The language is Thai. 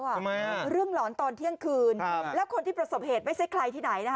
ทำไมครับเรื่องหลอนตอนเที่ยงคืนและคนที่ประสบเหตุไม่ใช่ใครที่ไหน